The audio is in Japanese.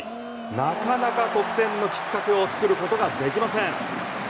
なかなか得点のきっかけを作ることができません。